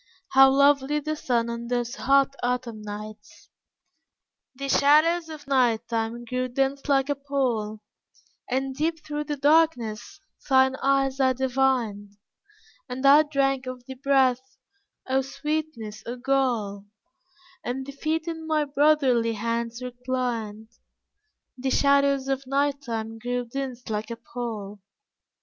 How lovely the sun on those hot, autumn nights! The shadows of night time grew dense like a pall, And deep through the darkness thine eyes I divined, And I drank of thy breath oh sweetness, oh gall, And thy feet in my brotherly hands reclined, The shadows of Night time grew dense like a pall.